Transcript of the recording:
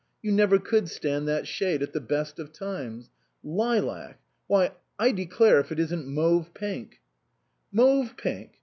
You never could stand that shade at the best of times. Lilac ! Why, I declare if it isn't mauve pink." " Mauve pink